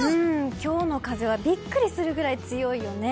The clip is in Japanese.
今日の風はビックリするぐらい強いよね。